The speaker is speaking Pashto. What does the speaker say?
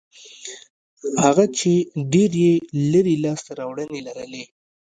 هغه چې ډېر یې لري لاسته راوړنې لري.